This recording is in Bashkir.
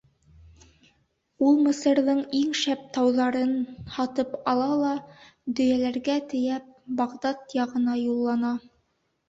Ул Мысырҙың иң шәп тауарҙарын һатып ала ла, дөйәләргә тейәп, Бағдад яғына юллана.